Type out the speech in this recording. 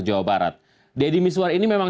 jawa barat deddy miswar ini memang